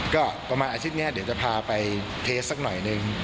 ก็ประมาณอาชีพเนี่ยเดี๋ยวจะพาไปเทสซักหน่อย